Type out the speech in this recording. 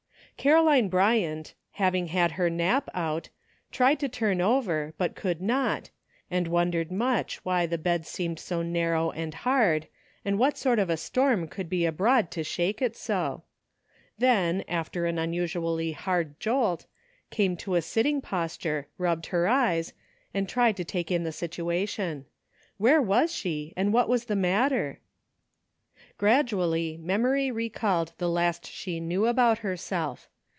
Caroline Bryant, having had her nap out, tried to turn over, but could not, and wondered much why the bed seemed so narrow and hard, and what sort of a storm could be abroad to shake it so ; then, after an unusually hard jolt, came to a sitting posture, rubbed her eyes, and tried to take m the situation. Where was she, and what was the matter? Gradually memory recalled the last she knew about herself.